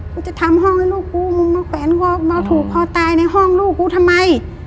จะทำห้องให้ลูกกูมึงมาแขวนคอมาผูกคอตายในห้องลูกกูทำไม